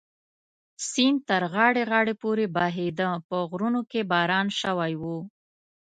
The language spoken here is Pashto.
سیند تر غاړې غاړې پورې بهېده، په غرونو کې باران شوی و.